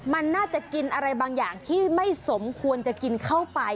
มันน่าจะกินอะไรบางอย่างที่ไม่สมควรจะกินเข้าไป